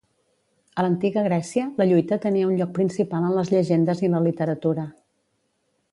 A l'Antiga Grècia, la lluita tenia un lloc principal en les llegendes i la literatura.